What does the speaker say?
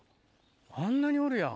あんなにおるやん。